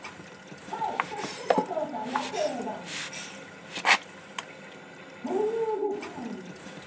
はいそして加藤さんが正眼。という動きなんですよ。